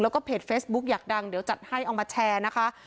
แล้วก็เพจเฟซบุ๊กอยากดังเดี๋ยวจัดให้เอามาแชร์นะคะ